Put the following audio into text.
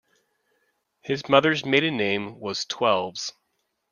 His mother's maiden name was Twelves.